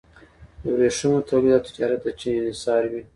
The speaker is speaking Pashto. د ورېښمو تولید او تجارت د چین انحصاري و.